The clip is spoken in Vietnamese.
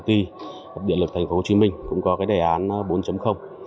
tập đoàn điện lực thành phố hồ chí minh cũng có cái đề an bốn